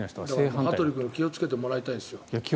羽鳥君に気をつけてもらいたいんです。